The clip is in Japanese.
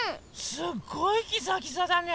すっごいギザギザだね。